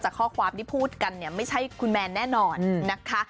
ข้อความที่พูดกันเนี่ยไม่ใช่คุณแมนแน่นอนนะคะ